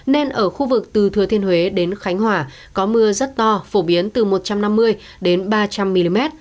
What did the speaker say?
nên ở khu vực từ thừa thiên huế đến khánh hòa có mưa rất to phổ biến từ một trăm năm mươi đến ba trăm linh mm